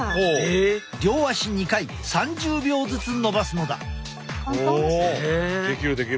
両足２回３０秒ずつのばすのだ。